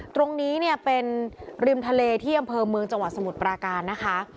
ตรงนี้เนี่ยเป็นริมทะเลที่อำเภอเมืองจังหวัดสมุทรปราการนะคะ